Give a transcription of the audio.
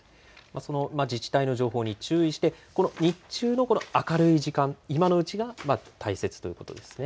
自治体の情報に注意して日中の明るい時間、今のうちが大切ということですね。